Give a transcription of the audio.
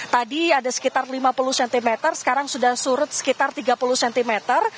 tadi ada sekitar lima puluh cm sekarang sudah surut sekitar tiga puluh cm